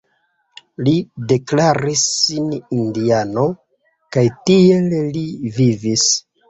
Li deklaris sin indiano kaj tiel li vivis.